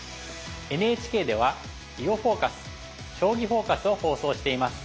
ＮＨＫでは「囲碁フォーカス」「将棋フォーカス」を放送しています。